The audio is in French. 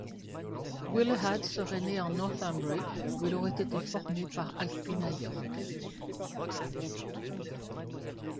Willehad serait né en Northumbrie, où il aurait été formé par Alcuin à York.